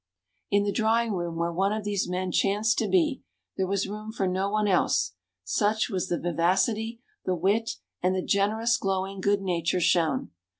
In the drawing room where one of these men chanced to be, there was room for no one else such was the vivacity, the wit, and the generous, glowing good nature shown.